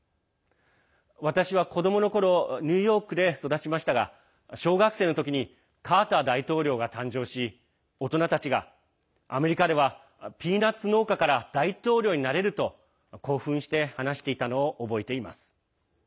私は子どもの頃ニューヨークで育ちましたが小学生の時にカーター大統領が誕生し大人たちがアメリカではピーナツ農家から大統領になれると興奮して話していたのを覚えています。